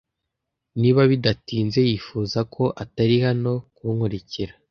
Niba bidatinze yifuza ko atari hano kunkurikira